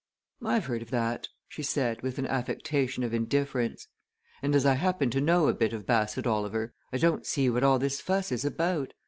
"I've heard of that," she said, with an affectation of indifference. "And as I happen to know a bit of Bassett Oliver, I don't see what all this fuss is about.